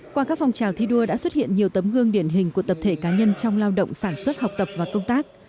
qua các phong trào thi đua đã xuất hiện nhiều tấm gương điển hình của tập thể cá nhân trong lao động sản xuất học tập và công tác